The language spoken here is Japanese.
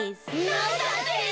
なんだって！